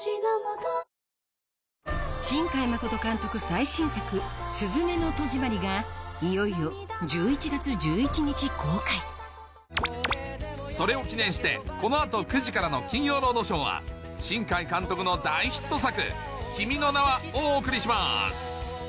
最新作『すずめの戸締まり』がいよいよ１１月１１日公開それを記念してこの後９時からの『金曜ロードショー』は新海監督の大ヒット作『君の名は。』をお送りします